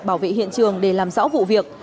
bảo vệ hiện trường để làm rõ vụ việc